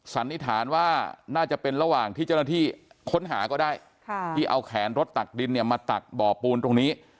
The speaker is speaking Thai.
สันนิษฐานว่าน่าจะเป็นระหว่างที่เจ้าหน้าที่ค้นหาก็ได้ที่เอาแขนรถตักดินเนี่ยมาตักบ่อปูนตรงนี้